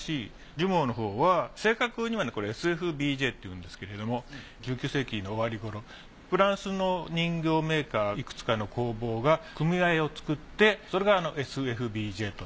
ジュモーのほうは正確にはねこれＳ．Ｆ．Ｂ．Ｊっていうんですけれども１９世紀の終わり頃フランスの人形メーカーいくつかの工房が組合を作ってそれがＳ．Ｆ．Ｂ．Ｊと。